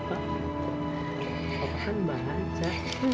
papa kan baca